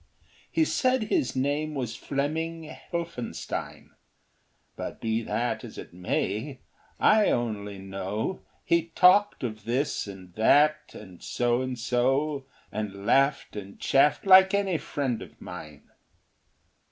He said his name was Fleming Helphenstine, But be that as it may; I only know He talked of this and that and So and So, And laughed and chaffed like any friend of mine.